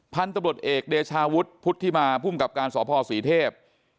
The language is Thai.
พันธบรรดเอกเดชาวุฒิพุทธิมาผู้กับการสอบพศรีเทพฯ